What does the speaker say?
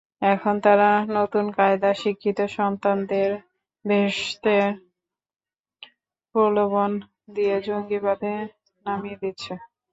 এখন তারা নতুন কায়দায় শিক্ষিত সন্তানদের বেহেশতের প্রলোভন দিয়ে জঙ্গিবাদে নামিয়ে দিচ্ছে।